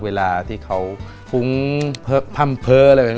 เวลาที่เขาฮุ้งพัมเผออะไรอย่างนั้น